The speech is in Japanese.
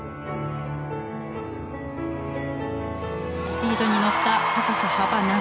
スピードに乗った高さ幅流れ